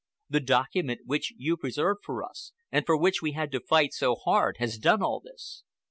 The document which you preserved for us, and for which we had to fight so hard, has done all this."